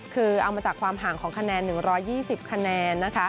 คือเอามาจากความห่างของคะแนน๑๒๐คะแนนนะคะ